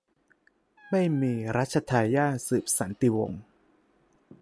ไม่มีรัชทายาทสืบสันติวงศ์